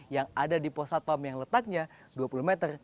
yang ada di pos satpam yang letaknya dua puluh meter